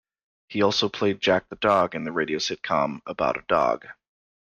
He also played Jack the dog in the radio sitcom "About a Dog".